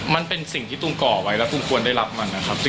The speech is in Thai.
มันเป็นสิ่งที่ตูมก่อไว้แล้วตูมควรได้รับมันนะครับ